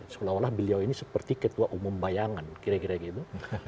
seolah olah beliau ini seperti ketua umum bayangan kira kira gitu